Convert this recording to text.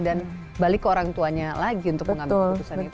dan balik ke orang tuanya lagi untuk mengambil keputusan itu